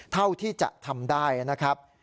เท่าที่จะทำได้นะครับ